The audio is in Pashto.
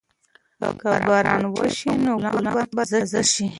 که باران وشي نو ګلان به تازه شي.